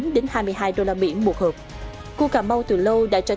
cua cà mau từ lâu đã trở thành một hộp thương hiệu việt nam